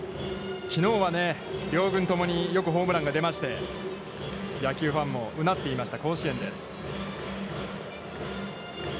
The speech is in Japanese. きのうは、両軍ともによくホームランが出まして野球ファンもうなっていました、甲子園です。